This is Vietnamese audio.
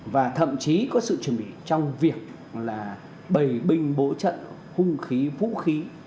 và thậm chí có sự chuẩn bị trong việc là bày binh bổ trận hung khí vũ khí